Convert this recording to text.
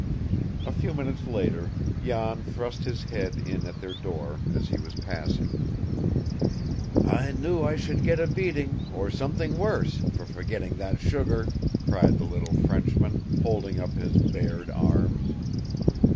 A few minutes later Jan thrust his head in at their door, as he was passing. "I knew I should get a beating, or something worse, for forgetting that sugar," cried the little Frenchman, holding up his bared arms.